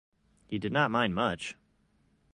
He did not mind much.